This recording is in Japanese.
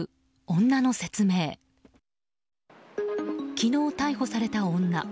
昨日逮捕された女。